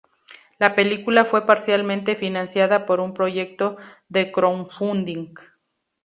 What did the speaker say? La película fue parcialmente financiada por un proyecto de crowdfunding.